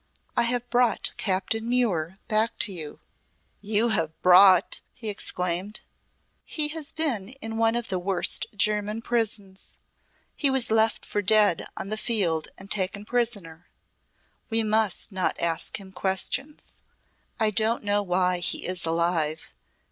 "I have brought Captain Muir back to you." "You have brought ?" he exclaimed. "He has been in one of the worst German prisons. He was left for dead on the field and taken prisoner. We must not ask him questions. I don't know why he is alive.